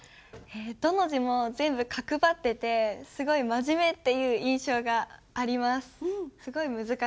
どの字も全部角張っててすごい真面目っていう印象があります。